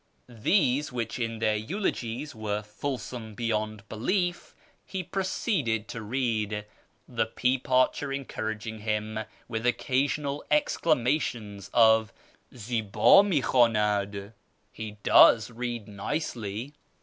These, whicli in their eulogies were fulsome beyond belief, he proceeded to read, the pea parcher encouraging him with occasional exclamations of '' Zihd mi khicdnad !" ("He does read nicely!")